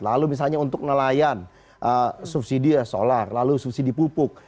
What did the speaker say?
lalu misalnya untuk nelayan subsidi solar lalu subsidi pupuk